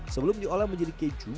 sebelum diolah menjadi keju